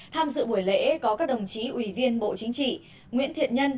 tham dự buổi lễ có các đồng chí ủy viên bộ chính trị nguyễn thiện nhân